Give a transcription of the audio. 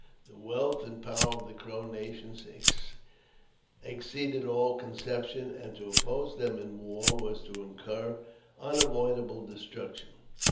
The wealth and power of the Crow nation ex^ ceeded all conception, and to oppose them in war was to inci unavoidable destruction.